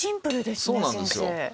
そうなんですよ。